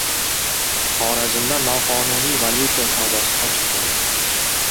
Xorazmda noqonuniy valyuta savdosi fosh etildi